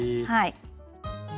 はい。